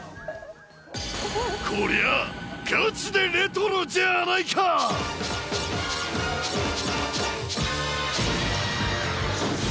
こりゃあ、ガチでレトロじゃあないかっ！